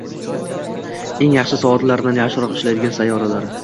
eng yaxshi soatlardan yaxshiroq «ishlaydigan» sayyoralar